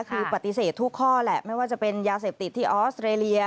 คือปฏิเสธทุกข้อแหละไม่ว่าจะเป็นยาเสพติดที่ออสเตรเลีย